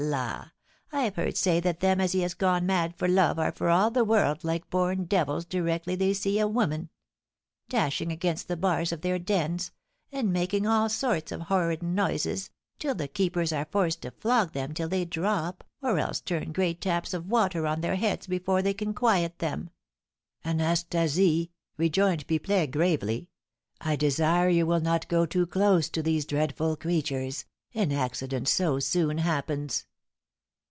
La! I've heard say that them as has gone mad for love are for all the world like born devils directly they see a woman; dashing against the bars of their dens, and making all sorts of horrid noises, till the keepers are forced to flog them till they drop, or else turn great taps of water on their heads before they can quiet them." "Anastasie," rejoined Pipelet, gravely, "I desire you will not go too close to these dreadful creatures, an accident so soon happens."